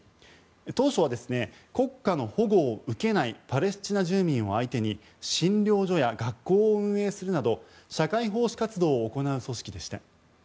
当初は国家の保護を受けないパレスチナ住民を相手に診療所や学校を運営するなど社会奉仕活動を行う組織でした。